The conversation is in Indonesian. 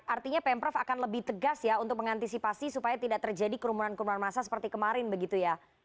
artinya pemprov akan lebih tegas ya untuk mengantisipasi supaya tidak terjadi kerumunan kerumunan massa seperti kemarin begitu ya